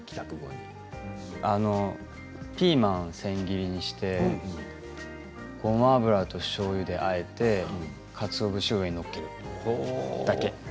ピーマンを千切りにしてごま油と、しょうゆであえてかつお節を上に載せるだけ。